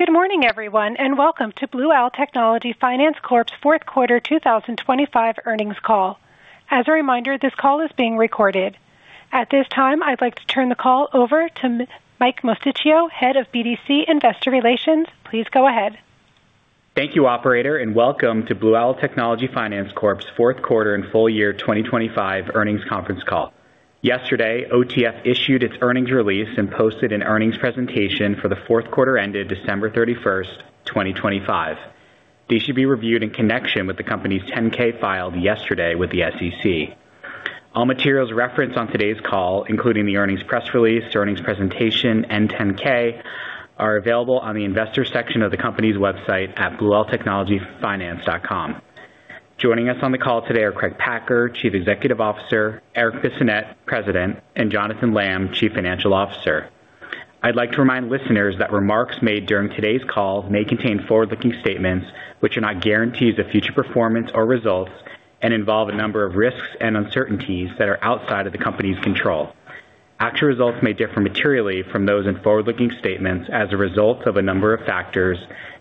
Good morning, everyone, and welcome to Blue Owl Technology Finance Corp's fourth quarter 2025 earnings call. As a reminder, this call is being recorded. At this time, I'd like to turn the call over to Mike Mosticchio, Head of BDC Investor Relations. Please go ahead. Thank you, operator, and welcome to Blue Owl Technology Finance Corp's fourth quarter and full year 2025 earnings conference call. Yesterday, OTF issued its earnings release and posted an earnings presentation for the fourth quarter ended December 31, 2025. These should be reviewed in connection with the company's 10-K filed yesterday with the SEC. All materials referenced on today's call, including the earnings press release, the earnings presentation, and 10-K, are available on the investors section of the company's website at blueowltechnologyfinance.com. Joining us on the call today are Craig Packer, Chief Executive Officer, Erik Bissonnette, President, and Jonathan Lamm, Chief Financial Officer. I'd like to remind listeners that remarks made during today's call may contain forward-looking statements which are not guarantees of future performance or results and involve a number of risks and uncertainties that are outside of the company's control. Actual results may differ materially from those in forward-looking statements as a result of a number of factors,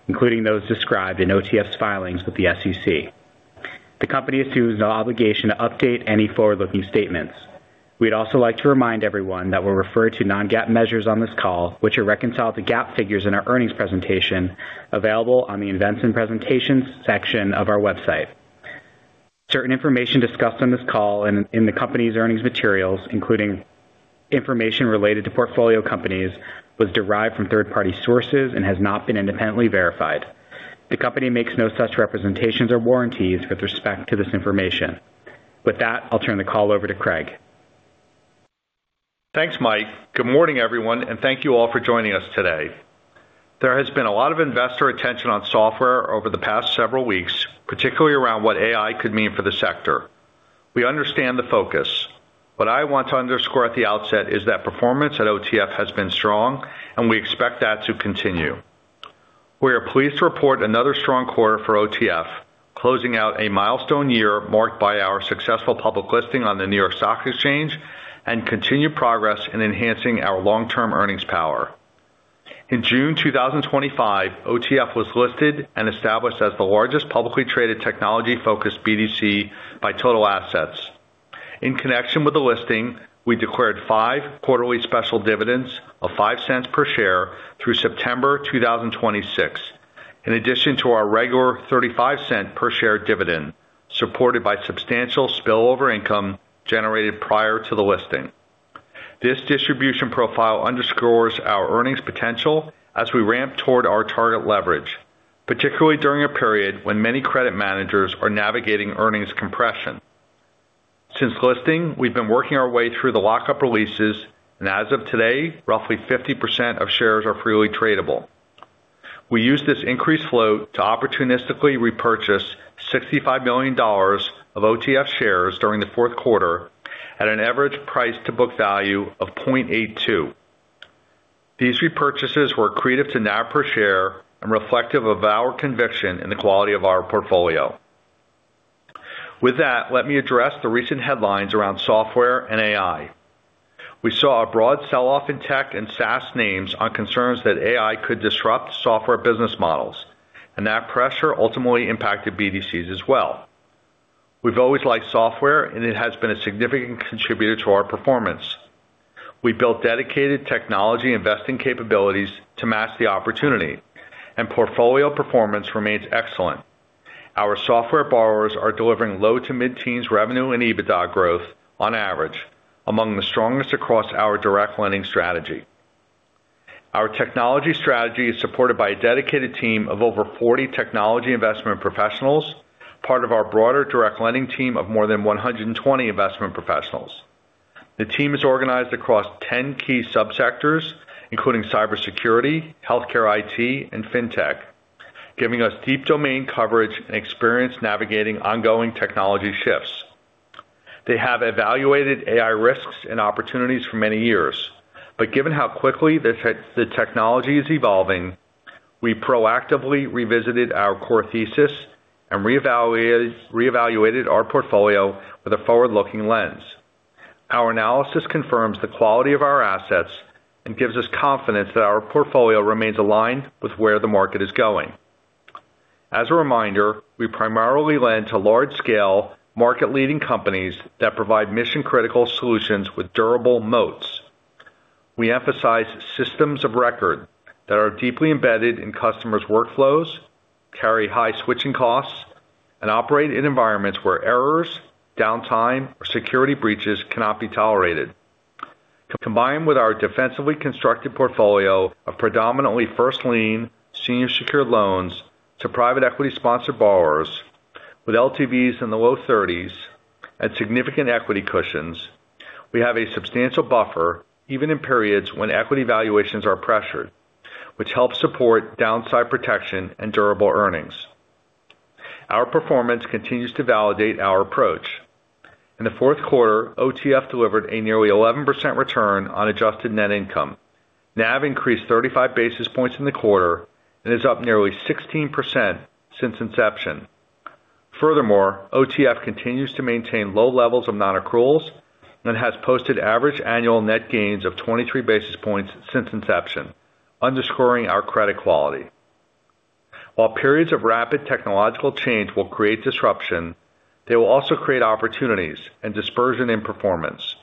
including those described in OTF's filings with the SEC. The company assumes no obligation to update any forward-looking statements. We'd also like to remind everyone that we'll refer to non-GAAP measures on this call, which are reconciled to GAAP figures in our earnings presentation, available on the Events and Presentations section of our website. Certain information discussed on this call and in the company's earnings materials, including information related to portfolio companies, was derived from third-party sources and has not been independently verified. The company makes no such representations or warranties with respect to this information. With that, I'll turn the call over to Craig. Thanks, Mike. Good morning, everyone, and thank you all for joining us today. There has been a lot of investor attention on software over the past several weeks, particularly around what AI could mean for the sector. We understand the focus. What I want to underscore at the outset is that performance at OTF has been strong, and we expect that to continue. We are pleased to report another strong quarter for OTF, closing out a milestone year marked by our successful public listing on the New York Stock Exchange and continued progress in enhancing our long-term earnings power. In June 2025, OTF was listed and established as the largest publicly traded technology-focused BDC by total assets. In connection with the listing, we declared 5 quarterly special dividends of 5 cents per share through September 2026, in addition to our regular 35-cent per share dividend, supported by substantial spillover income generated prior to the listing. This distribution profile underscores our earnings potential as we ramp toward our target leverage, particularly during a period when many credit managers are navigating earnings compression. Since listing, we've been working our way through the lockup releases, and as of today, roughly 50% of shares are freely tradable. We used this increased float to opportunistically repurchase $65 million of OTF shares during the fourth quarter at an average price to book value of 0.82. These repurchases were accretive to NAV per share and reflective of our conviction in the quality of our portfolio. With that, let me address the recent headlines around software and AI. We saw a broad sell-off in tech and SaaS names on concerns that AI could disrupt software business models, and that pressure ultimately impacted BDCs as well. We've always liked software, and it has been a significant contributor to our performance. We built dedicated technology investing capabilities to match the opportunity, and portfolio performance remains excellent. Our software borrowers are delivering low to mid-teens revenue and EBITDA growth on average, among the strongest across our direct lending strategy. Our technology strategy is supported by a dedicated team of over 40 technology investment professionals, part of our broader direct lending team of more than 120 investment professionals. The team is organized across 10 key subsectors, including cybersecurity, healthcare IT, and fintech, giving us deep domain coverage and experience navigating ongoing technology shifts. They have evaluated AI risks and opportunities for many years, but given how quickly the technology is evolving, we proactively revisited our core thesis and reevaluated our portfolio with a forward-looking lens. Our analysis confirms the quality of our assets and gives us confidence that our portfolio remains aligned with where the market is going. As a reminder, we primarily lend to large-scale, market-leading companies that provide mission-critical solutions with durable moats. We emphasize systems of record that are deeply embedded in customers' workflows, carry high switching costs, and operate in environments where errors, downtime, or security breaches cannot be tolerated. Combined with our defensively constructed portfolio of predominantly first lien, senior secured loans to private equity sponsored borrowers with LTVs in the low 30s and significant equity cushions, we have a substantial buffer, even in periods when equity valuations are pressured, which helps support downside protection and durable earnings. Our performance continues to validate our approach. In the fourth quarter, OTF delivered a nearly 11% return on adjusted net income. NAV increased 35 basis points in the quarter and is up nearly 16% since inception. Furthermore, OTF continues to maintain low levels of non-accruals and has posted average annual net gains of 23 basis points since inception, underscoring our credit quality. While periods of rapid technological change will create disruption, they will also create opportunities and dispersion in performance.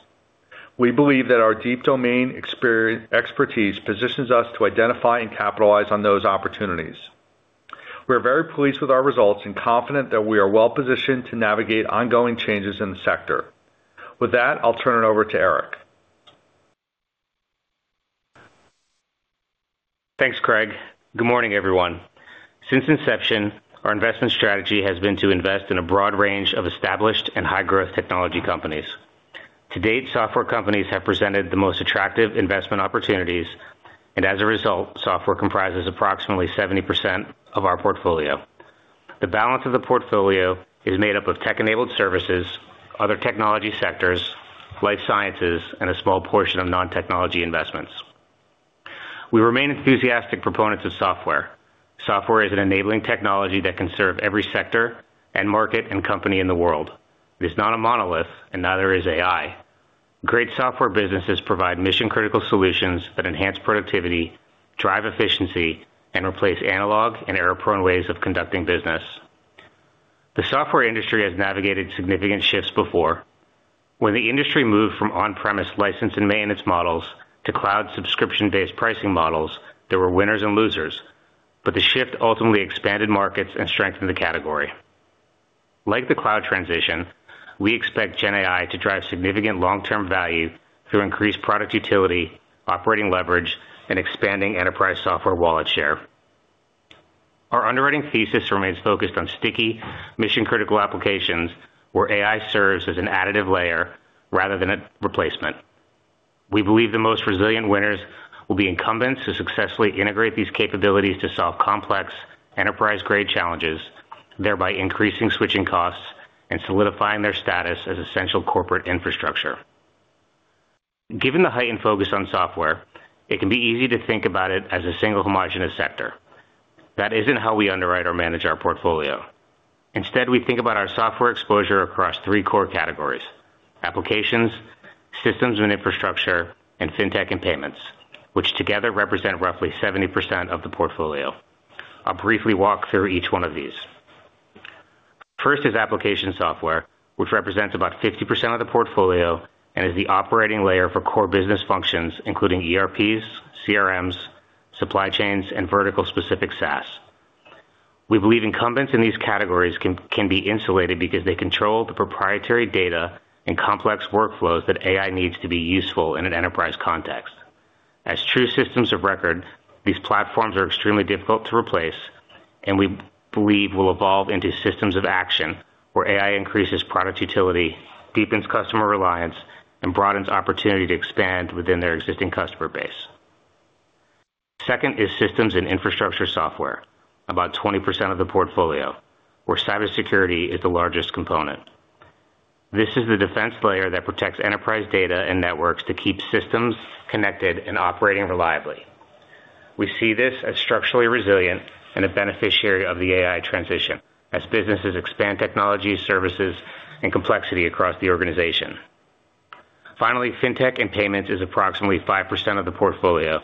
We believe that our deep domain expertise positions us to identify and capitalize on those opportunities. We are very pleased with our results and confident that we are well-positioned to navigate ongoing changes in the sector. With that, I'll turn it over to Erik. Thanks, Craig. Good morning, everyone. Since inception, our investment strategy has been to invest in a broad range of established and high-growth technology companies. To date, software companies have presented the most attractive investment opportunities, and as a result, software comprises approximately 70% of our portfolio. The balance of the portfolio is made up of tech-enabled services, other technology sectors, life sciences, and a small portion of non-technology investments. We remain enthusiastic proponents of software. Software is an enabling technology that can serve every sector and market and company in the world. It is not a monolith, and neither is AI. Great software businesses provide mission-critical solutions that enhance productivity, drive efficiency, and replace analog and error-prone ways of conducting business. The software industry has navigated significant shifts before. When the industry moved from on-premise license and maintenance models to cloud subscription-based pricing models, there were winners and losers, but the shift ultimately expanded markets and strengthened the category. Like the cloud transition, we expect Gen AI to drive significant long-term value through increased product utility, operating leverage, and expanding enterprise software wallet share. Our underwriting thesis remains focused on sticky, mission-critical applications, where AI serves as an additive layer rather than a replacement. We believe the most resilient winners will be incumbents who successfully integrate these capabilities to solve complex enterprise-grade challenges, thereby increasing switching costs and solidifying their status as essential corporate infrastructure. Given the heightened focus on software, it can be easy to think about it as a single homogenous sector. That isn't how we underwrite or manage our portfolio. Instead, we think about our software exposure across three core categories: applications, systems and infrastructure, and fintech and payments, which together represent roughly 70% of the portfolio. I'll briefly walk through each one of these. First is application software, which represents about 50% of the portfolio and is the operating layer for core business functions, including ERPs, CRMs, supply chains, and vertical-specific SaaS. We believe incumbents in these categories can be insulated because they control the proprietary data and complex workflows that AI needs to be useful in an enterprise context. As true systems of record, these platforms are extremely difficult to replace and we believe will evolve into systems of action, where AI increases product utility, deepens customer reliance, and broadens opportunity to expand within their existing customer base. Second is systems and infrastructure software, about 20% of the portfolio, where cybersecurity is the largest component. This is the defense layer that protects enterprise data and networks to keep systems connected and operating reliably. We see this as structurally resilient and a beneficiary of the AI transition as businesses expand technology, services, and complexity across the organization. Finally, fintech and payments is approximately 5% of the portfolio.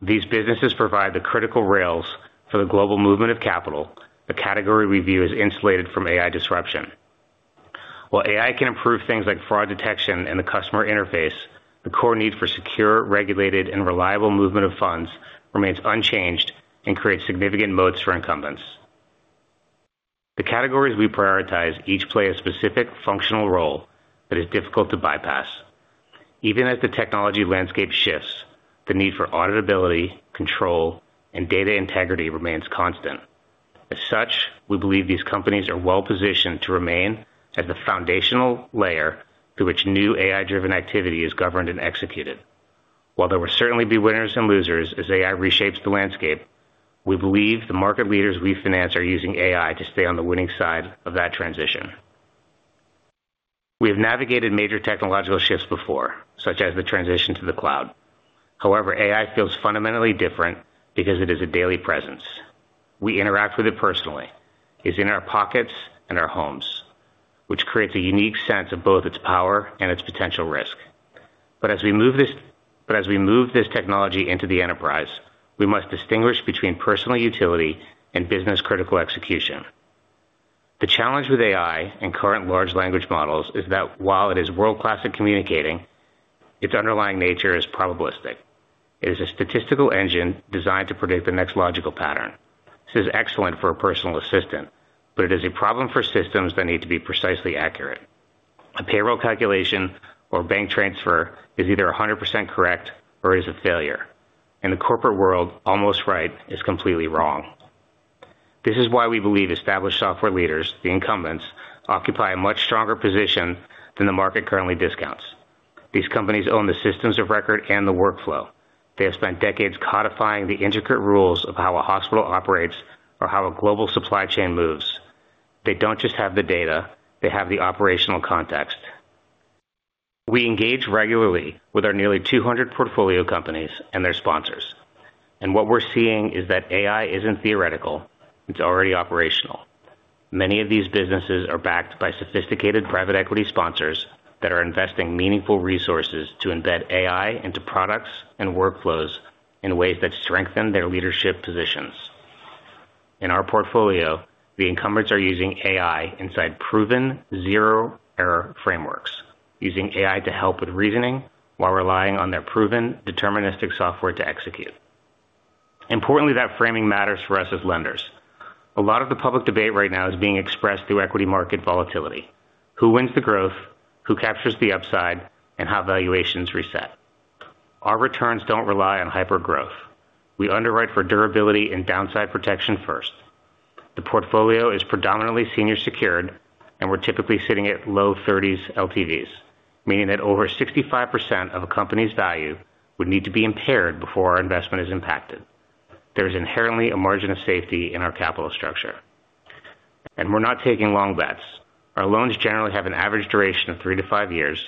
These businesses provide the critical rails for the global movement of capital. The category we view as insulated from AI disruption. While AI can improve things like fraud detection and the customer interface, the core need for secure, regulated, and reliable movement of funds remains unchanged and creates significant moats for incumbents. The categories we prioritize each play a specific functional role that is difficult to bypass. Even as the technology landscape shifts, the need for auditability, control, and data integrity remains constant. As such, we believe these companies are well positioned to remain as the foundational layer through which new AI-driven activity is governed and executed. While there will certainly be winners and losers as AI reshapes the landscape, we believe the market leaders we finance are using AI to stay on the winning side of that transition. We have navigated major technological shifts before, such as the transition to the cloud. However, AI feels fundamentally different because it is a daily presence. We interact with it personally. It's in our pockets and our homes, which creates a unique sense of both its power and its potential risk. But as we move this technology into the enterprise, we must distinguish between personal utility and business-critical execution. The challenge with AI and current large language models is that while it is world-class at communicating, its underlying nature is probabilistic. It is a statistical engine designed to predict the next logical pattern. This is excellent for a personal assistant, but it is a problem for systems that need to be precisely accurate. A payroll calculation or bank transfer is either 100% correct or is a failure. In the corporate world, almost right is completely wrong. This is why we believe established software leaders, the incumbents, occupy a much stronger position than the market currently discounts. These companies own the systems of record and the workflow. They have spent decades codifying the intricate rules of how a hospital operates or how a global supply chain moves. They don't just have the data, they have the operational context.... We engage regularly with our nearly 200 portfolio companies and their sponsors, and what we're seeing is that AI isn't theoretical, it's already operational. Many of these businesses are backed by sophisticated private equity sponsors that are investing meaningful resources to embed AI into products and workflows in ways that strengthen their leadership positions. In our portfolio, the incumbents are using AI inside proven zero error frameworks, using AI to help with reasoning while relying on their proven deterministic software to execute. Importantly, that framing matters for us as lenders. A lot of the public debate right now is being expressed through equity market volatility. Who wins the growth, who captures the upside, and how valuations reset? Our returns don't rely on hypergrowth. We underwrite for durability and downside protection first. The portfolio is predominantly senior secured, and we're typically sitting at low 30s LTVs, meaning that over 65% of a company's value would need to be impaired before our investment is impacted. There is inherently a margin of safety in our capital structure, and we're not taking long bets. Our loans generally have an average duration of 3-5 years,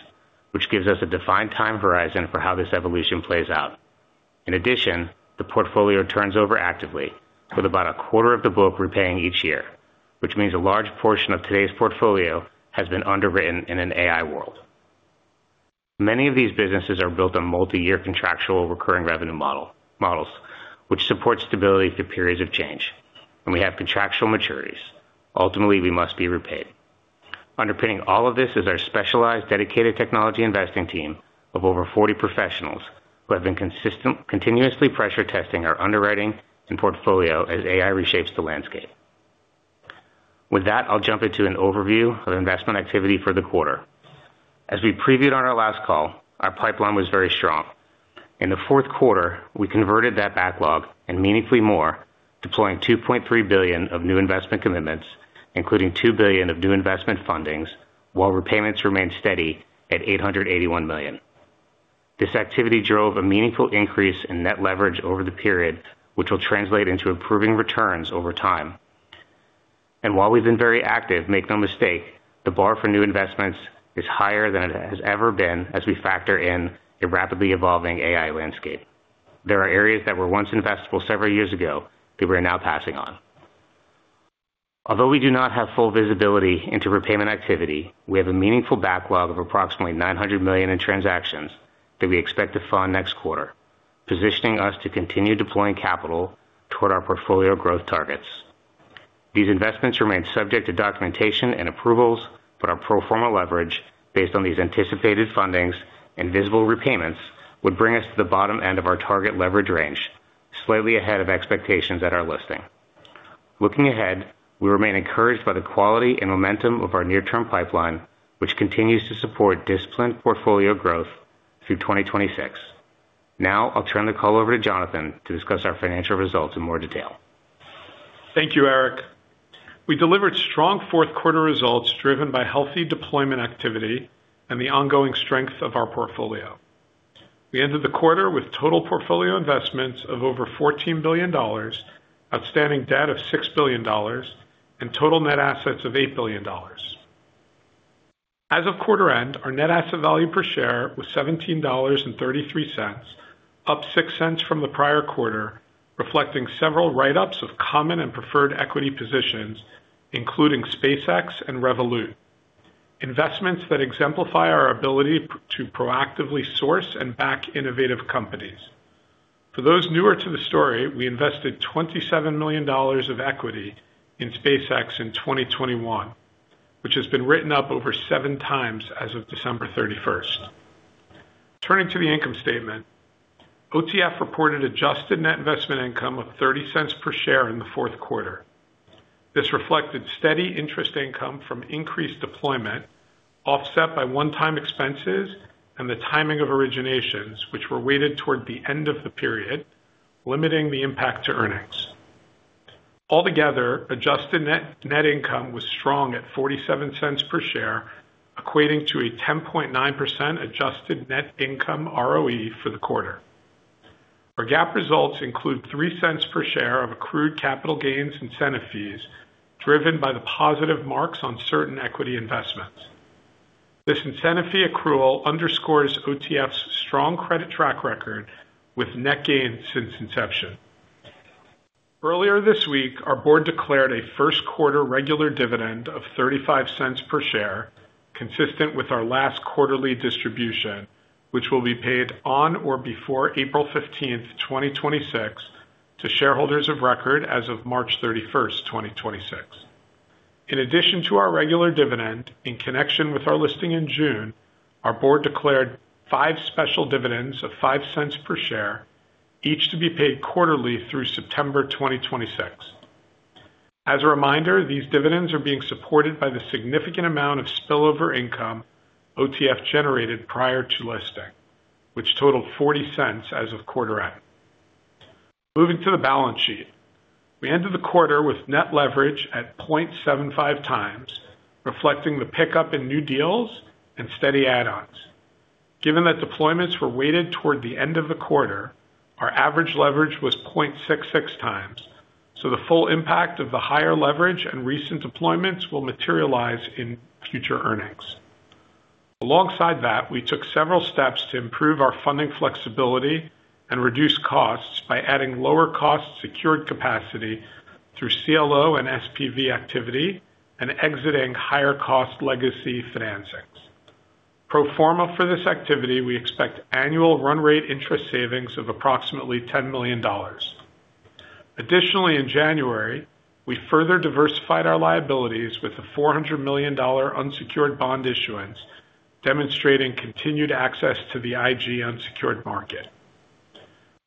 which gives us a defined time horizon for how this evolution plays out. In addition, the portfolio turns over actively with about a quarter of the book repaying each year, which means a large portion of today's portfolio has been underwritten in an AI world. Many of these businesses are built on multi-year contractual recurring revenue models, which support stability through periods of change, and we have contractual maturities. Ultimately, we must be repaid. Underpinning all of this is our specialized, dedicated technology investing team of over 40 professionals who have been consistent, continuously pressure testing our underwriting and portfolio as AI reshapes the landscape. With that, I'll jump into an overview of investment activity for the quarter. As we previewed on our last call, our pipeline was very strong. In the fourth quarter, we converted that backlog and meaningfully more, deploying $2.3 billion of new investment commitments, including $2 billion of new investment fundings, while repayments remained steady at $881 million. This activity drove a meaningful increase in net leverage over the period, which will translate into improving returns over time. While we've been very active, make no mistake, the bar for new investments is higher than it has ever been as we factor in a rapidly evolving AI landscape. There are areas that were once investable several years ago that we're now passing on. Although we do not have full visibility into repayment activity, we have a meaningful backlog of approximately $900 million in transactions that we expect to fund next quarter, positioning us to continue deploying capital toward our portfolio growth targets. These investments remain subject to documentation and approvals, but our pro forma leverage, based on these anticipated fundings and visible repayments, would bring us to the bottom end of our target leverage range, slightly ahead of expectations at our listing. Looking ahead, we remain encouraged by the quality and momentum of our near-term pipeline, which continues to support disciplined portfolio growth through 2026. Now, I'll turn the call over to Jonathan to discuss our financial results in more detail. Thank you, Eric. We delivered strong fourth quarter results, driven by healthy deployment activity and the ongoing strength of our portfolio. We ended the quarter with total portfolio investments of over $14 billion, outstanding debt of $6 billion, and total net assets of $8 billion. As of quarter end, our net asset value per share was $17.33, up $0.06 from the prior quarter, reflecting several write-ups of common and preferred equity positions, including SpaceX and Revolut, investments that exemplify our ability to proactively source and back innovative companies. For those newer to the story, we invested $27 million of equity in SpaceX in 2021, which has been written up over 7 times as of December 31. Turning to the income statement, OTF reported adjusted net investment income of $0.30 per share in the fourth quarter. This reflected steady interest income from increased deployment, offset by one-time expenses and the timing of originations, which were weighted toward the end of the period, limiting the impact to earnings. Altogether, adjusted net, net income was strong at $0.47 per share, equating to a 10.9% adjusted net income ROE for the quarter. Our GAAP results include $0.03 per share of accrued capital gains incentive fees, driven by the positive marks on certain equity investments. This incentive fee accrual underscores OTF's strong credit track record with net gains since inception. Earlier this week, our board declared a first quarter regular dividend of $0.35 per share, consistent with our last quarterly distribution, which will be paid on or before April 15, 2026, to shareholders of record as of March 31, 2026. In addition to our regular dividend, in connection with our listing in June, our board declared five special dividends of $0.05 per share, each to be paid quarterly through September 2026. As a reminder, these dividends are being supported by the significant amount of spillover income OTF generated prior to listing, which totaled $0.40 as of quarter end. Moving to the balance sheet. We ended the quarter with net leverage at 0.75 times, reflecting the pickup in new deals and steady add-ons. Given that deployments were weighted toward the end of the quarter, our average leverage was 0.66 times. The full impact of the higher leverage and recent deployments will materialize in future earnings. Alongside that, we took several steps to improve our funding flexibility and reduce costs by adding lower cost secured capacity through CLO and SPV activity and exiting higher cost legacy financings. Pro forma for this activity, we expect annual run rate interest savings of approximately $10 million. Additionally, in January, we further diversified our liabilities with a $400 million unsecured bond issuance, demonstrating continued access to the IG unsecured market.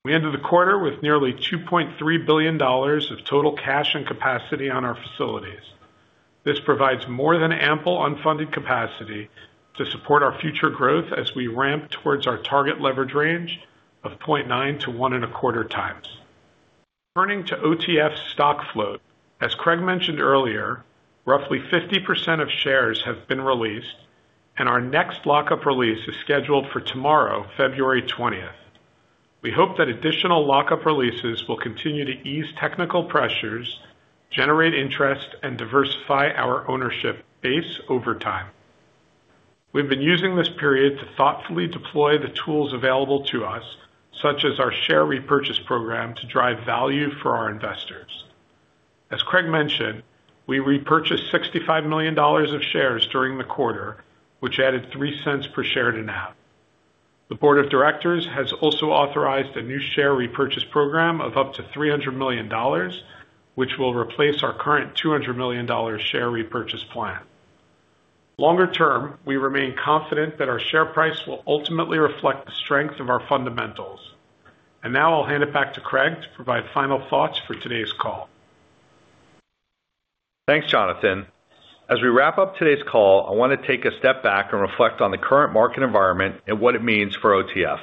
We ended the quarter with nearly $2.3 billion of total cash and capacity on our facilities. This provides more than ample unfunded capacity to support our future growth as we ramp towards our target leverage range of 0.9-1.25 times. Turning to OTF stock float, as Craig mentioned earlier, roughly 50% of shares have been released, and our next lockup release is scheduled for tomorrow, February 20th. We hope that additional lockup releases will continue to ease technical pressures, generate interest, and diversify our ownership base over time. We've been using this period to thoughtfully deploy the tools available to us, such as our share repurchase program, to drive value for our investors. As Craig mentioned, we repurchased $65 million of shares during the quarter, which added $0.03 per share to NAV. The board of directors has also authorized a new share repurchase program of up to $300 million, which will replace our current $200 million share repurchase plan. Longer term, we remain confident that our share price will ultimately reflect the strength of our fundamentals. I'll hand it back to Craig to provide final thoughts for today's call. Thanks, Jonathan. As we wrap up today's call, I want to take a step back and reflect on the current market environment and what it means for OTF.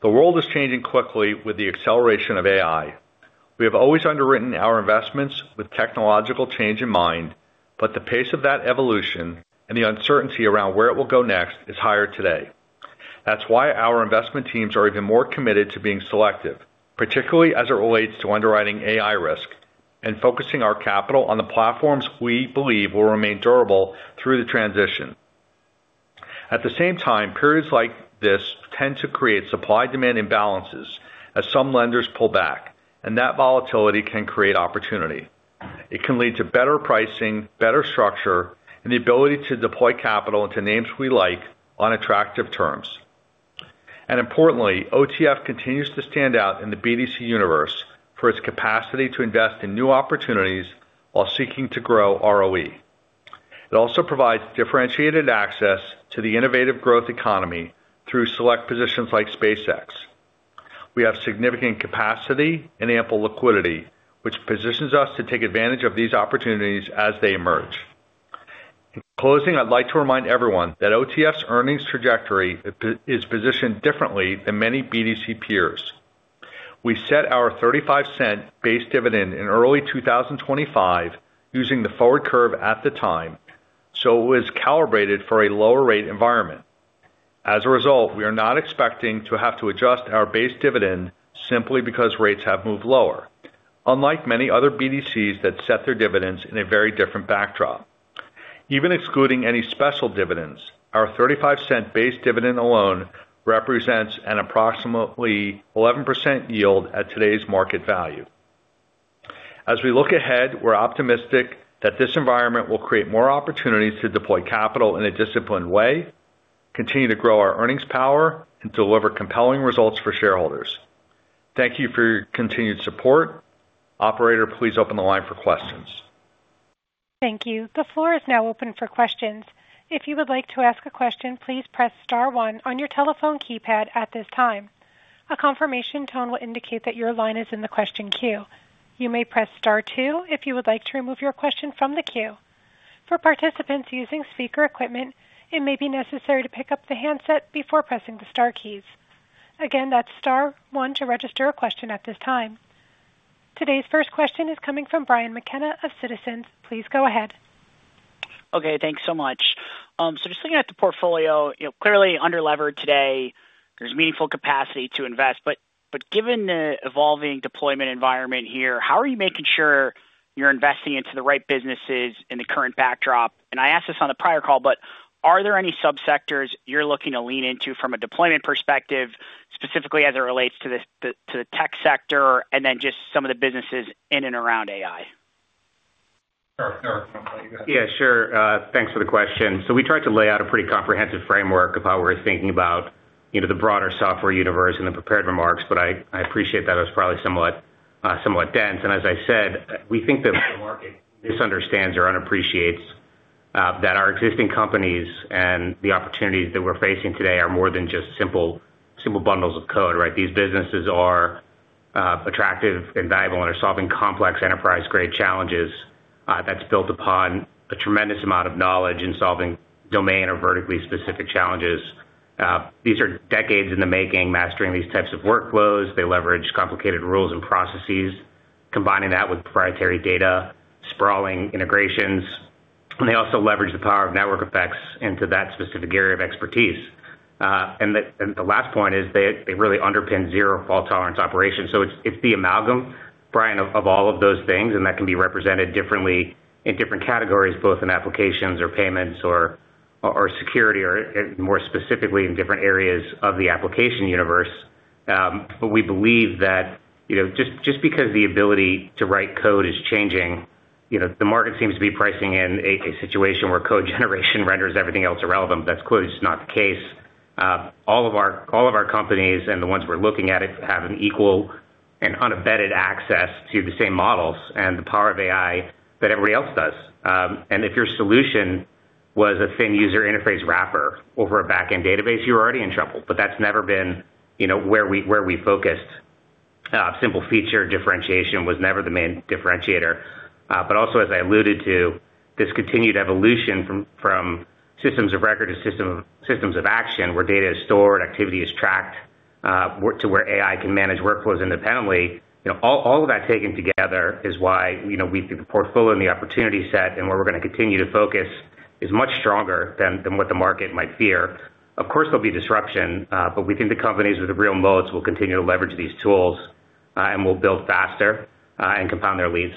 The world is changing quickly with the acceleration of AI. We have always underwritten our investments with technological change in mind, but the pace of that evolution and the uncertainty around where it will go next is higher today. That's why our investment teams are even more committed to being selective, particularly as it relates to underwriting AI risk and focusing our capital on the platforms we believe will remain durable through the transition. At the same time, periods like this tend to create supply-demand imbalances as some lenders pull back, and that volatility can create opportunity. It can lead to better pricing, better structure, and the ability to deploy capital into names we like on attractive terms. Importantly, OTF continues to stand out in the BDC universe for its capacity to invest in new opportunities while seeking to grow ROE. It also provides differentiated access to the innovative growth economy through select positions like SpaceX. We have significant capacity and ample liquidity, which positions us to take advantage of these opportunities as they emerge. In closing, I'd like to remind everyone that OTF's earnings trajectory is positioned differently than many BDC peers. We set our $0.35 base dividend in early 2025, using the forward curve at the time, so it was calibrated for a lower rate environment. As a result, we are not expecting to have to adjust our base dividend simply because rates have moved lower, unlike many other BDCs that set their dividends in a very different backdrop. Even excluding any special dividends, our $0.35 base dividend alone represents an approximately 11% yield at today's market value. As we look ahead, we're optimistic that this environment will create more opportunities to deploy capital in a disciplined way, continue to grow our earnings power, and deliver compelling results for shareholders. Thank you for your continued support. Operator, please open the line for questions. Thank you. The floor is now open for questions. If you would like to ask a question, please press star one on your telephone keypad at this time. A confirmation tone will indicate that your line is in the question queue. You may press star two if you would like to remove your question from the queue. For participants using speaker equipment, it may be necessary to pick up the handset before pressing the star keys. Again, that's star one to register a question at this time. Today's first question is coming from Brian McKenna of Citizens. Please go ahead. Okay, thanks so much. So just looking at the portfolio, you know, clearly underlevered today, there's meaningful capacity to invest. But given the evolving deployment environment here, how are you making sure you're investing into the right businesses in the current backdrop? I asked this on the prior call, but are there any sub-sectors you're looking to lean into from a deployment perspective, specifically as it relates to this, to the tech sector and then just some of the businesses in and around AI? Sure, sure. Yeah, sure. Thanks for the question. So we tried to lay out a pretty comprehensive framework of how we're thinking about, you know, the broader software universe and the prepared remarks, but I appreciate that was probably somewhat, somewhat dense. And as I said, we think that the market misunderstands or unappreciates that our existing companies and the opportunities that we're facing today are more than just simple, simple bundles of code, right? These businesses are attractive and valuable, and they're solving complex enterprise-grade challenges that's built upon a tremendous amount of knowledge in solving domain or vertically specific challenges. These are decades in the making, mastering these types of workflows. They leverage complicated rules and processes, combining that with proprietary data, sprawling integrations. They also leverage the power of network effects into that specific area of expertise. And the last point is they really underpin zero fault tolerance operations. It's the amalgam, Brian, of all of those things, and that can be represented differently in different categories, both in applications or payments or security, or more specifically, in different areas of the application universe. We believe that, you know, just because the ability to write code is changing, the market seems to be pricing in a situation where code generation renders everything else irrelevant, but that's clearly just not the case. All of our companies and the ones we're looking at have an equal and unabetted access to the same models and the power of AI that everybody else does. If your solution was a thin user interface wrapper over a backend database, you're already in trouble, but that's never been, you know, where we focused. Simple feature differentiation was never the main differentiator. Also, as I alluded to, this continued evolution from systems of record to systems of action, where data is stored, activity is tracked, work to where AI can manage workflows independently. You know, all of that taken together is why, you know, we think the portfolio and the opportunity set and where we're gonna continue to focus is much stronger than what the market might fear. Of course, there'll be disruption, but we think the companies with the real moats will continue to leverage these tools, and will build faster, and compound their leads.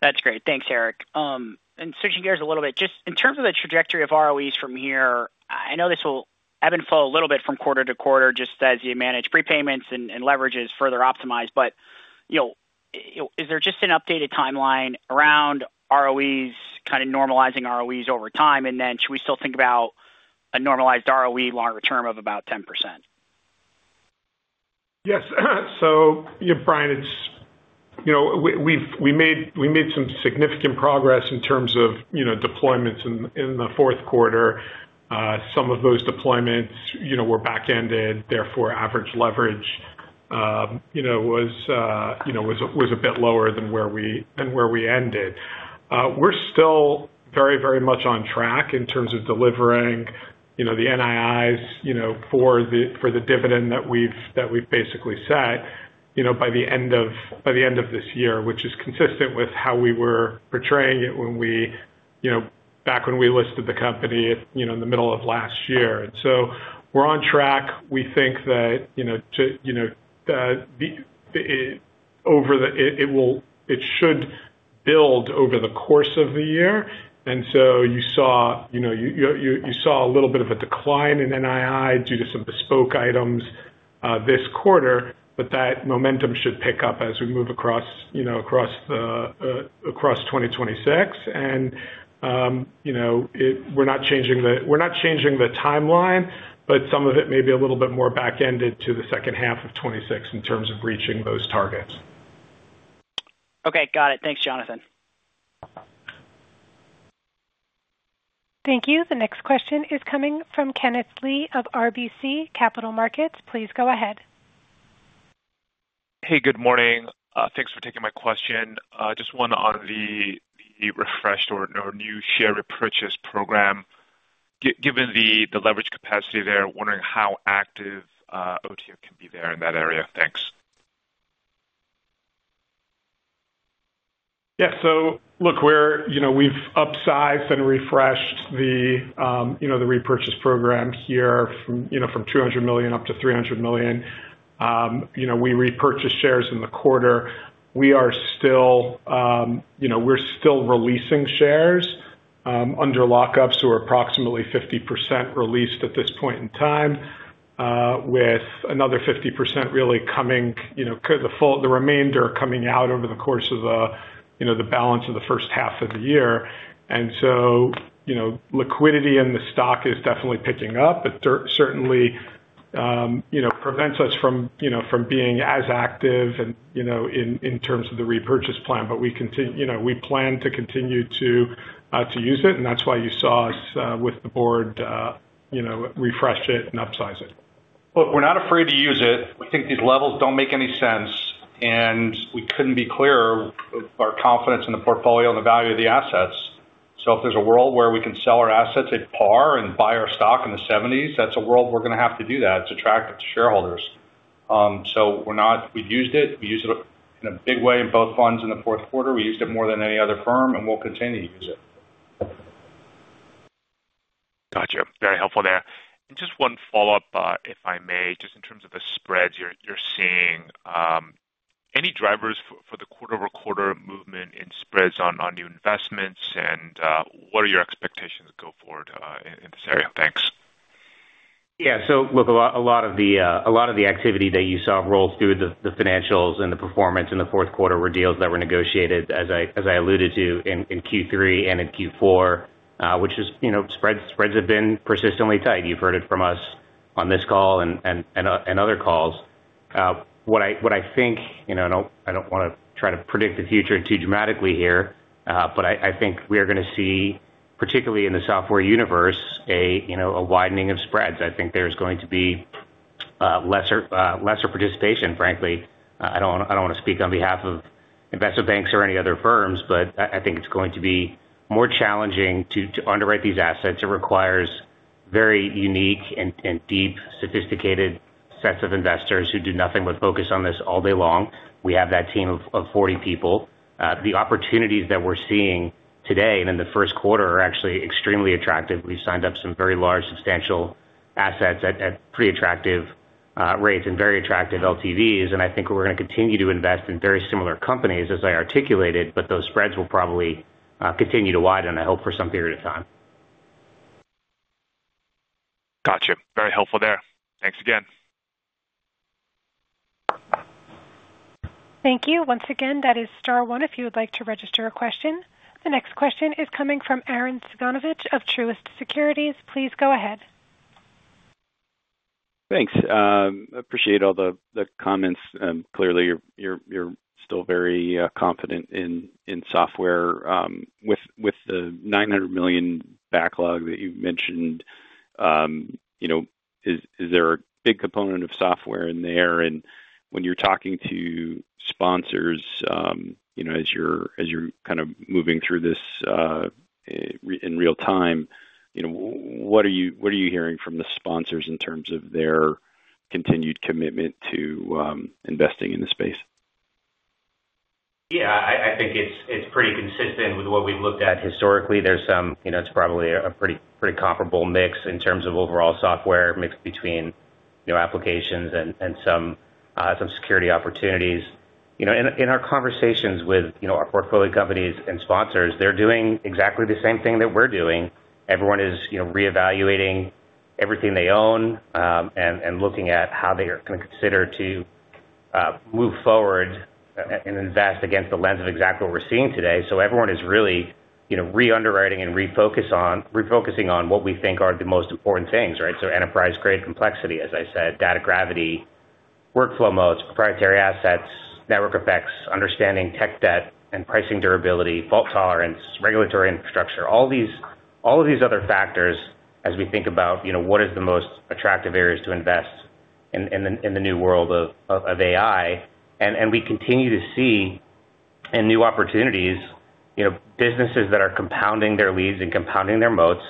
That's great. Thanks, Erik. And switching gears a little bit, just in terms of the trajectory of ROEs from here, I know this will ebb and flow a little bit from quarter to quarter, just as you manage prepayments and leverage is further optimized. But, you know, is there just an updated timeline around ROEs, kind of normalizing ROEs over time? And then should we still think about a normalized ROE longer term of about 10%? Yes. So, yeah, Brian, it's... You know, we've made some significant progress in terms of, you know, deployments in the fourth quarter. Some of those deployments, you know, were back-ended, therefore, average leverage, you know, was a bit lower than where we ended. We're still very, very much on track in terms of delivering, you know, the NIIs, you know, for the dividend that we've basically set, you know, by the end of this year, which is consistent with how we were portraying it when we, you know, back when we listed the company, you know, in the middle of last year. And so we're on track. We think that, you know, to, you know, over the... It will—it should build over the course of the year. You saw, you know, you saw a little bit of a decline in NII due to some bespoke items this quarter, but that momentum should pick up as we move across, you know, across the year, across 2026. You know, we're not changing the timeline, but some of it may be a little bit more back-ended to the second half of 2026 in terms of reaching those targets. Okay, got it. Thanks, Jonathan. Thank you. The next question is coming from Kenneth Lee of RBC Capital Markets. Please go ahead. Hey, good morning. Thanks for taking my question. Just one on the refreshed or new share repurchase program. Given the leverage capacity there, wondering how active OTF can be there in that area? Thanks. Yeah. So look, we're, you know, we've upsized and refreshed the, you know, the repurchase program here from, you know, from $200 million up to $300 million. You know, we repurchased shares in the quarter. We are still, you know, we're still releasing shares under lockups, so we're approximately 50% released at this point in time, with another 50% really coming, you know, the remainder coming out over the course of the, you know, the balance of the first half of the year. And so, you know, liquidity in the stock is definitely picking up, but certainly, you know, prevents us from, you know, from being as active and, you know, in, in terms of the repurchase plan. But we continue, you know, we plan to continue to use it, and that's why you saw us with the board, you know, refresh it and upsize it. Look, we're not afraid to use it. We think these levels don't make any sense, and we couldn't be clearer of our confidence in the portfolio and the value of the assets. So if there's a world where we can sell our assets at par and buy our stock in the seventies, that's a world we're gonna have to do that. It's attractive to shareholders. So we're not. We've used it. We used it in a big way in both funds in the fourth quarter. We used it more than any other firm, and we'll continue to use it. Gotcha. Very helpful there. And just one follow-up, if I may, just in terms of the spreads you're seeing. Any drivers for the quarter-over-quarter movement in spreads on new investments? And what are your expectations go forward in this area? Thanks. Yeah. So look, a lot, a lot of the activity that you saw roll through the financials and the performance in the fourth quarter were deals that were negotiated, as I alluded to, in Q3 and in Q4, which is, you know, spreads, spreads have been persistently tight. You've heard it from us on this call and other calls. What I think, you know, I don't wanna try to predict the future too dramatically here, but I think we are gonna see, particularly in the software universe, a widening of spreads. I think there's going to be lesser participation, frankly. I don't, I don't wanna speak on behalf of investment banks or any other firms, but I, I think it's going to be more challenging to underwrite these assets. It requires very unique and deep, sophisticated sets of investors who do nothing but focus on this all day long. We have that team of 40 people. The opportunities that we're seeing today and in the first quarter are actually extremely attractive. We signed up some very large, substantial assets at pretty attractive rates and very attractive LTVs. And I think we're gonna continue to invest in very similar companies, as I articulated, but those spreads will probably continue to widen, I hope, for some period of time. Got you. Very helpful there. Thanks again. Thank you. Once again, that is star one, if you would like to register a question. The next question is coming from Arren Cyganovich of Truist Securities. Please go ahead. Thanks. Appreciate all the comments, and clearly, you're still very confident in software with the $900 million backlog that you mentioned. You know, is there a big component of software in there? And when you're talking to sponsors, you know, as you're kind of moving through this in real time, you know, what are you hearing from the sponsors in terms of their continued commitment to investing in the space? Yeah, I think it's pretty consistent with what we've looked at historically. There's some-- you know, it's probably a pretty, pretty comparable mix in terms of overall software mix between, you know, applications and some security opportunities. You know, in our conversations with, you know, our portfolio companies and sponsors, they're doing exactly the same thing that we're doing. Everyone is, you know, reevaluating everything they own, and looking at how they are gonna consider to move forward and invest against the lens of exactly what we're seeing today. Everyone is really, you know, re-underwriting and refocusing on what we think are the most important things, right? Enterprise-grade complexity, as I said, data gravity, workflow moats, proprietary assets, network effects, understanding tech debt and pricing durability, fault tolerance, regulatory infrastructure. All of these other factors, as we think about, you know, what is the most attractive areas to invest in, in the new world of AI. And we continue to see new opportunities, you know, businesses that are compounding their leads and compounding their moats,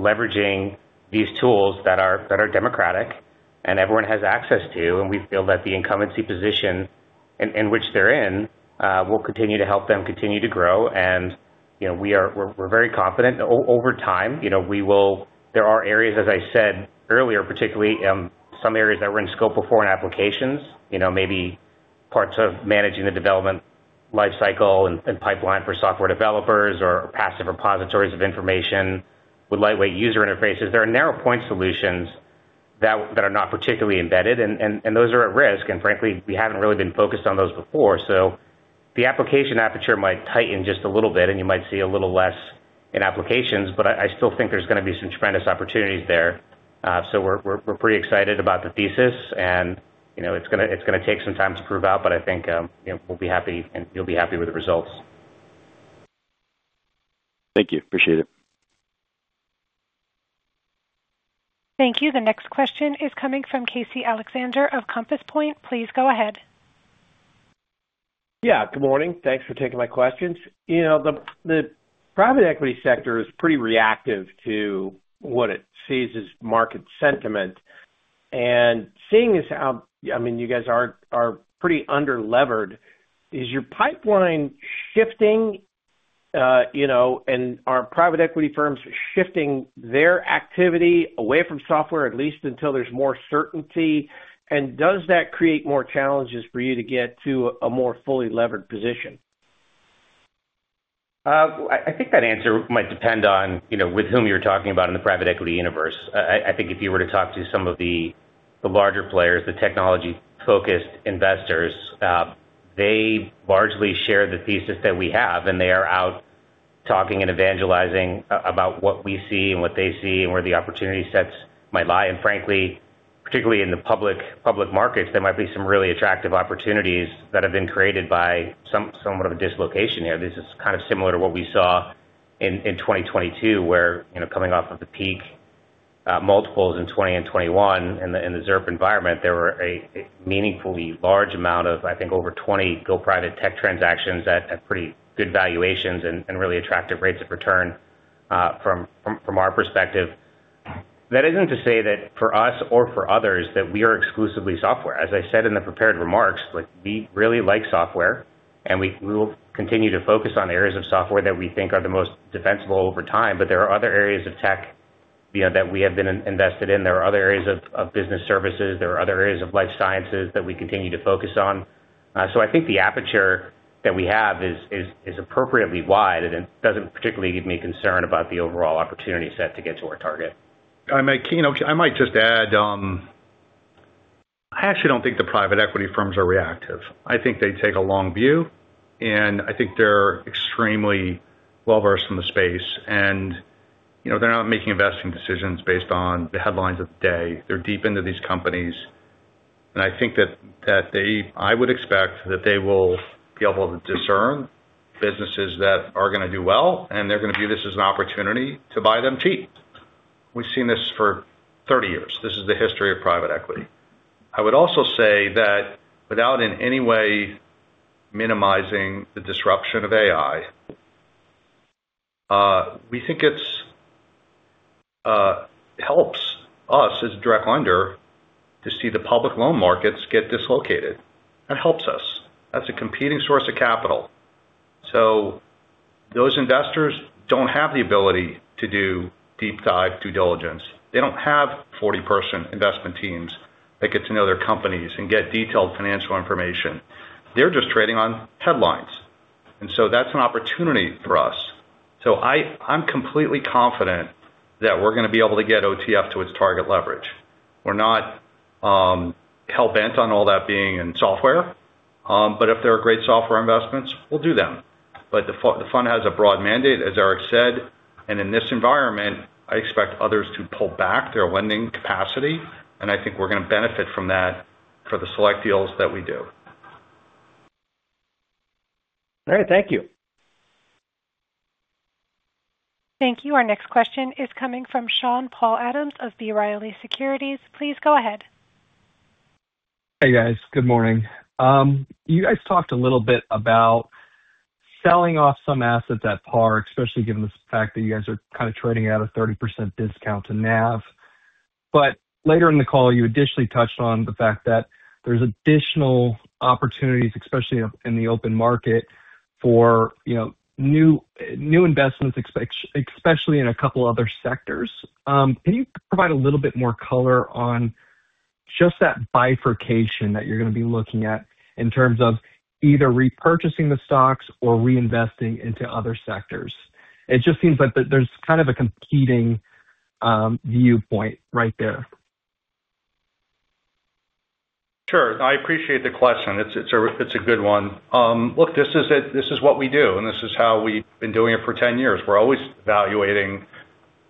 leveraging these tools that are democratic and everyone has access to. And we feel that the incumbency position in which they're in will continue to help them continue to grow. And, you know, we're very confident over time, you know, we will... There are areas, as I said earlier, particularly, some areas that were in scope before in applications, you know, maybe parts of managing the development life cycle and pipeline for software developers, or passive repositories of information with lightweight user interfaces. There are narrow point solutions that are not particularly embedded, and those are at risk. And frankly, we haven't really been focused on those before. So the application aperture might tighten just a little bit, and you might see a little less in applications, but I still think there's gonna be some tremendous opportunities there. So we're pretty excited about the thesis, and, you know, it's gonna take some time to prove out, but I think, you know, we'll be happy, and you'll be happy with the results. Thank you. Appreciate it. Thank you. The next question is coming from Casey Alexander of Compass Point. Please go ahead. Yeah, good morning. Thanks for taking my questions. You know, the private equity sector is pretty reactive to what it sees as market sentiment. And seeing as how... I mean, you guys are pretty underlevered, is your pipeline shifting? You know, and are private equity firms shifting their activity away from software, at least until there's more certainty? And does that create more challenges for you to get to a more fully levered position? I think that answer might depend on, you know, with whom you're talking about in the private equity universe. I think if you were to talk to some of the larger players, the technology-focused investors, they largely share the thesis that we have, and they are out talking and evangelizing about what we see and what they see and where the opportunity sets might lie. And frankly, particularly in the public markets, there might be some really attractive opportunities that have been created by somewhat of a dislocation here. This is kind of similar to what we saw in 2022, where, you know, coming off of the peak multiples in 2020 and 2021 in the ZIRP environment, there were a meaningfully large amount of, I think, over 20 go private tech transactions at pretty good valuations and really attractive rates of return from our perspective. That isn't to say that for us or for others, that we are exclusively software. As I said in the prepared remarks, like, we really like software, and we will continue to focus on areas of software that we think are the most defensible over time. But there are other areas of tech, you know, that we have been invested in. There are other areas of business services. There are other areas of life sciences that we continue to focus on. So I think the aperture that we have is appropriately wide, and it doesn't particularly give me concern about the overall opportunity set to get to our target. I might, you know, I might just add. I actually don't think the private equity firms are reactive. I think they take a long view, and I think they're extremely well-versed in the space. And, you know, they're not making investing decisions based on the headlines of the day. They're deep into these companies, and I think that they—I would expect that they will be able to discern businesses that are gonna do well, and they're gonna view this as an opportunity to buy them cheap. We've seen this for 30 years. This is the history of private equity. I would also say that without in any way minimizing the disruption of AI. We think it's helps us as a direct lender to see the public loan markets get dislocated. That helps us. That's a competing source of capital. So those investors don't have the ability to do deep dive due diligence. They don't have 40-person investment teams that get to know their companies and get detailed financial information. They're just trading on headlines, and so that's an opportunity for us. So I'm completely confident that we're going to be able to get OTF to its target leverage. We're not hell-bent on all that being in software, but if there are great software investments, we'll do them. But the fund has a broad mandate, as Eric said, and in this environment, I expect others to pull back their lending capacity, and I think we're going to benefit from that for the select deals that we do. All right. Thank you. Thank you. Our next question is coming from Sean Paul Adams of B. Riley Securities. Please go ahead. Hey, guys. Good morning. You guys talked a little bit about selling off some assets at par, especially given the fact that you guys are kind of trading at a 30% discount to NAV. But later in the call, you additionally touched on the fact that there's additional opportunities, especially in the open market, for, you know, new investments, especially in a couple other sectors. Can you provide a little bit more color on just that bifurcation that you're going to be looking at in terms of either repurchasing the stocks or reinvesting into other sectors? It just seems like there's kind of a competing viewpoint right there. Sure. I appreciate the question. It's a good one. Look, this is it. This is what we do, and this is how we've been doing it for 10 years. We're always evaluating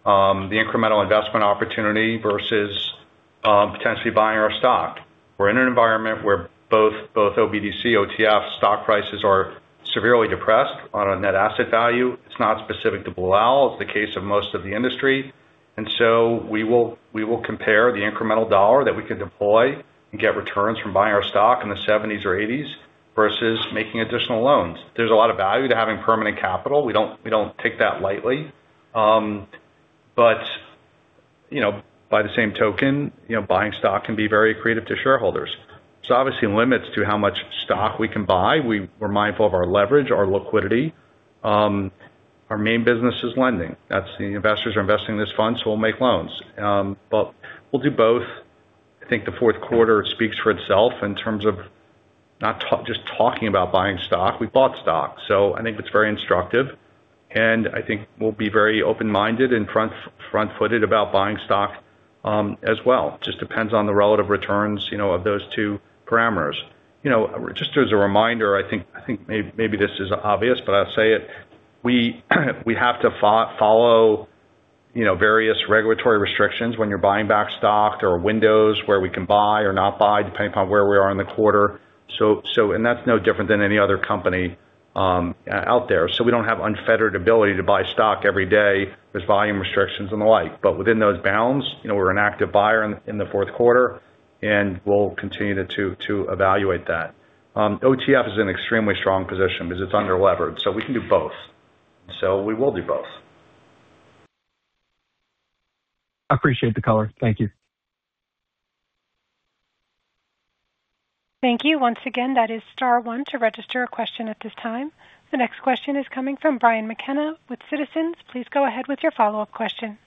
the incremental investment opportunity versus potentially buying our stock. We're in an environment where both OBDC, OTF stock prices are severely depressed on a net asset value. It's not specific to Blue Owl; it's the case of most of the industry. And so we will compare the incremental dollar that we can deploy and get returns from buying our stock in the 70s or 80s versus making additional loans. There's a lot of value to having permanent capital. We don't take that lightly. But, you know, by the same token, you know, buying stock can be very accretive to shareholders. So obviously, limits to how much stock we can buy. We're mindful of our leverage, our liquidity. Our main business is lending. That's the investors are investing in this fund, so we'll make loans. But we'll do both. I think the fourth quarter speaks for itself in terms of not just talking about buying stock. We bought stock, so I think it's very instructive, and I think we'll be very open-minded and front-footed about buying stock as well. Just depends on the relative returns, you know, of those two parameters. You know, just as a reminder, I think maybe this is obvious, but I'll say it. We have to follow, you know, various regulatory restrictions when you're buying back stock or windows, where we can buy or not buy, depending upon where we are in the quarter. That's no different than any other company out there. So we don't have unfettered ability to buy stock every day. There's volume restrictions and the like. But within those bounds, you know, we're an active buyer in the fourth quarter, and we'll continue to evaluate that. OTF is in extremely strong position because it's underleveraged, so we can do both. So we will do both. I appreciate the color. Thank you. Thank you. Once again, that is star one to register a question at this time. The next question is coming from Brian McKenna with Citizens. Please go ahead with your follow-up question.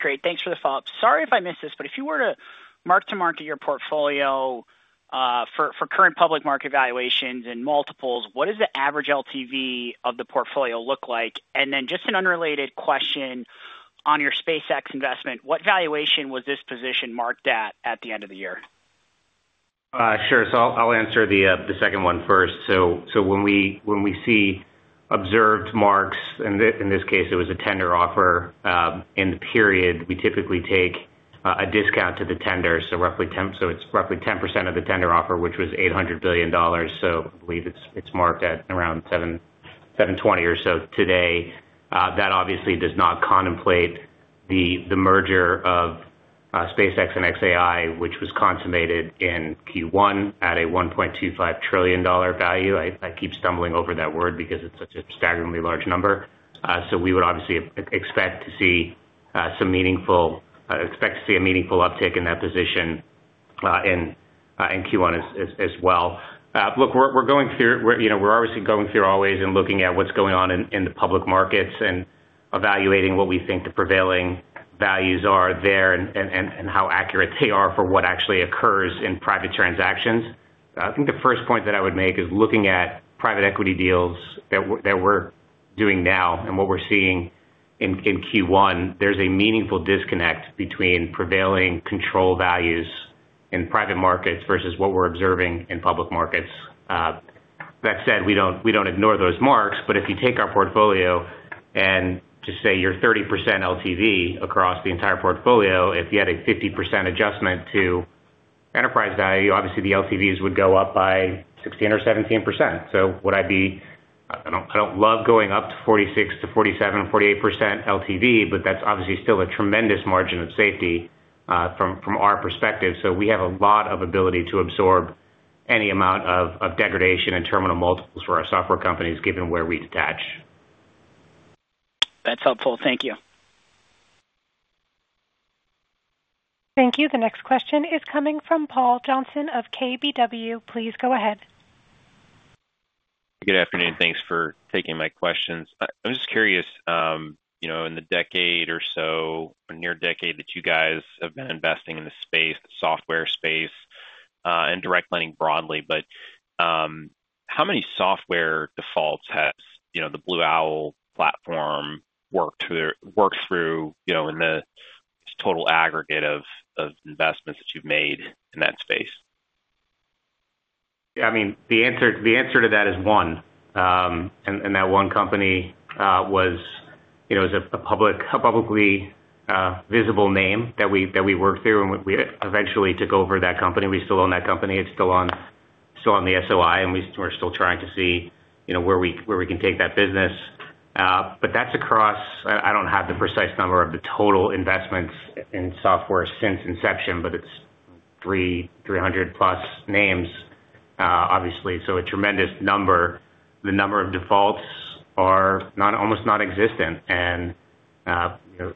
Great. Thanks for the follow-up. Sorry if I missed this, but if you were to mark to market your portfolio, for current public market valuations and multiples, what does the average LTV of the portfolio look like? And then just an unrelated question on your SpaceX investment, what valuation was this position marked at, at the end of the year? Sure. I'll answer the second one first. When we see observed marks, and in this case, it was a tender offer in the period, we typically take a discount to the tender, so it's roughly 10% of the tender offer, which was $800 billion. I believe it's marked at around $720 billion or so today. That obviously does not contemplate the merger of SpaceX and xAI, which was consummated in Q1 at a $1.25 trillion value. I keep stumbling over that word because it's such a staggeringly large number. We would obviously expect to see a meaningful uptick in that position in Q1 as well. Look, we're going through. We're, you know, we're obviously going through always and looking at what's going on in the public markets and evaluating what we think the prevailing values are there and how accurate they are for what actually occurs in private transactions. I think the first point that I would make is looking at private equity deals that we're doing now and what we're seeing in Q1. There's a meaningful disconnect between prevailing control values in private markets versus what we're observing in public markets. That said, we don't ignore those marks, but if you take our portfolio and just say you are 30% LTV across the entire portfolio, if you had a 50% adjustment to enterprise value, obviously the LTVs would go up by 16% or 17%. So would I be- I don't, I don't love going up to 46%-47%, 48% LTV, but that's obviously still a tremendous margin of safety, from our perspective. We have a lot of ability to absorb any amount of degradation in terminal multiples for our software companies, given where we detach. That's helpful. Thank you. Thank you. The next question is coming from Paul Johnson of KBW. Please go ahead. Good afternoon. Thanks for taking my questions. I'm just curious, you know, in the decade or so, or near decade, that you guys have been investing in the space, the software space, and direct lending broadly, but, how many software defaults has, you know, the Blue Owl platform worked through, worked through, you know, in the total aggregate of, of investments that you've made in that space? I mean, the answer to that is 1. And that 1 company was, you know, is a publicly, uh, visible name that we worked through, and we eventually took over that company. We still own that company. It's still on the SOI, and we're still trying to see, you know, where we can take that business. That's across... I don't have the precise number of the total investments in software since inception, but it's 300-plus names, obviously, so a tremendous number. The number of defaults are almost non-existent, and, you know,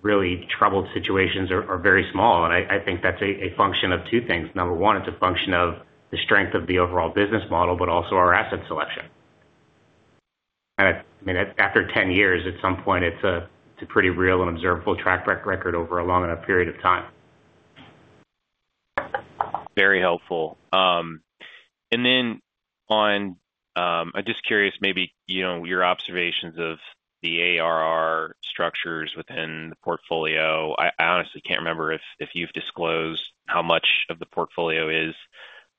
really troubled situations are very small, and I think that's a function of two things. Number 1, it's a function of the strength of the overall business model, but also our asset selection. And, I mean, after 10 years, at some point, it's a pretty real and observable track record over a long enough period of time. Very helpful. And then on, I'm just curious, maybe, you know, your observations of the ARR structures within the portfolio. I honestly can't remember if you've disclosed how much of the portfolio is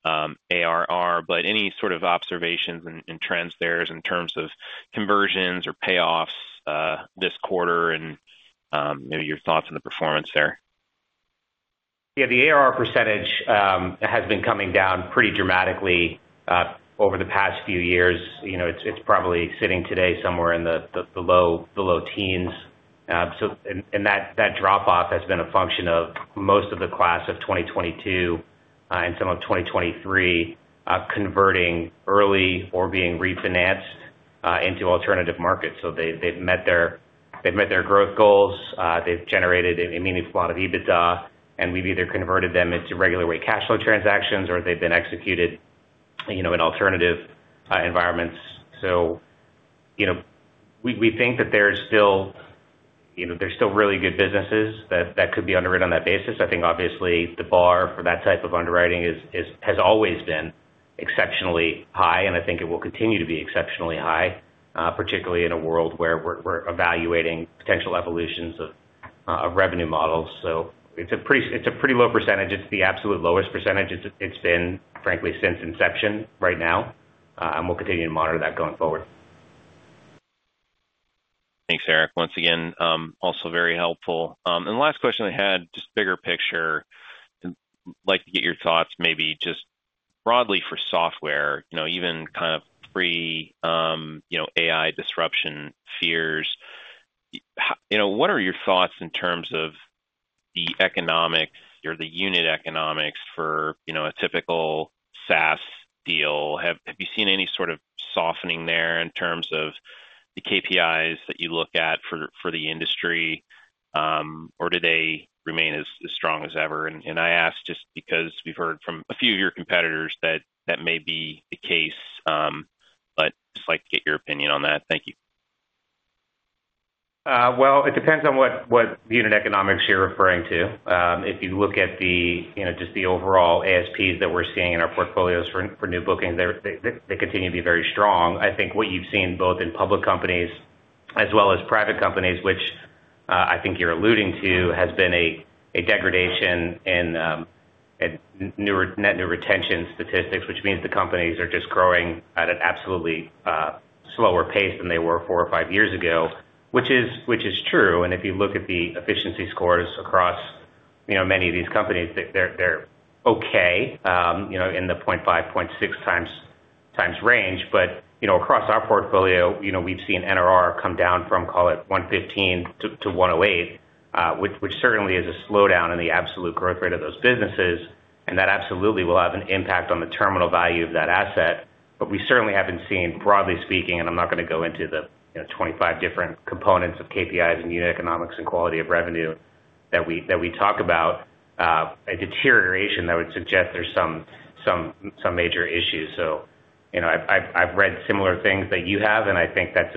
ARR, but any sort of observations and trends there is in terms of conversions or payoffs, this quarter and, maybe your thoughts on the performance there? Yeah, the ARR percentage has been coming down pretty dramatically over the past few years. You know, it's probably sitting today somewhere below the low teens. So that drop off has been a function of most of the class of 2022 and some of 2023 converting early or being refinanced into alternative markets. So they've met their growth goals. They've generated a meaningful lot of EBITDA, and we've either converted them into regular weight cash flow transactions or they've been executed, you know, in alternative environments. So, you know, we think that there's still, you know, there's still really good businesses that could be underwritten on that basis. I think obviously the bar for that type of underwriting is- has always been exceptionally high, and I think it will continue to be exceptionally high, particularly in a world where we're evaluating potential evolutions of revenue models. So it's a pretty low percentage. It's the absolute lowest percentage it's been, frankly, since inception right now. And we'll continue to monitor that going forward. Thanks, Erik. Once again, also very helpful. And the last question I had, just bigger picture. I'd like to get your thoughts, maybe just broadly for software, you know, even kind of pre, you know, AI disruption fears. You know, what are your thoughts in terms of the economics or the unit economics for, you know, a typical SaaS deal? Have you seen any sort of softening there in terms of the KPIs that you look at for the industry, or do they remain as strong as ever? And I ask just because we've heard from a few of your competitors that that may be the case, but just like to get your opinion on that. Thank you. Well, it depends on what unit economics you're referring to. If you look at the, you know, just the overall ASPs that we're seeing in our portfolios for new bookings, they continue to be very strong. I think what you've seen both in public companies as well as private companies, which I think you're alluding to, has been a degradation in net new retention statistics, which means the companies are just growing at an absolutely slower pace than they were four or five years ago. Which is true, and if you look at the efficiency scores across, you know, many of these companies, they're okay, you know, in the 0.5-0.6 times range. You know, across our portfolio, you know, we've seen NRR come down from, call it, 115 to 108, which certainly is a slowdown in the absolute growth rate of those businesses, and that absolutely will have an impact on the terminal value of that asset. We certainly haven't seen, broadly speaking, and I'm not gonna go into the, you know, 25 different components of KPIs and unit economics and quality of revenue that we talk about, a deterioration that would suggest there's some, some, some major issues. You know, I've, I've, I've read similar things that you have, and I think that's,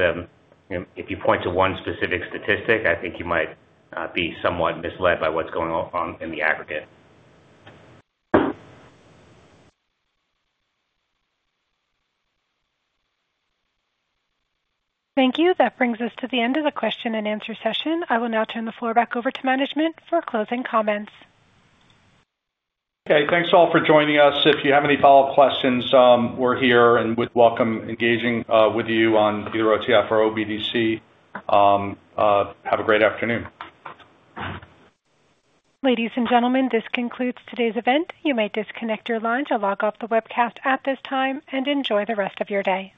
you know, if you point to one specific statistic, I think you might be somewhat misled by what's going on in the aggregate. Thank you. That brings us to the end of the question and answer session. I will now turn the floor back over to management for closing comments. Okay, thanks all for joining us. If you have any follow-up questions, we're here and would welcome engaging with you on either OTF or OBDC. Have a great afternoon. Ladies and gentlemen, this concludes today's event. You may disconnect your line or log off the webcast at this time, and enjoy the rest of your day.